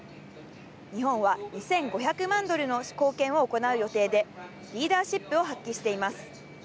日本は２５００万ドルの貢献を行う予定でリーダーシップを発揮しています。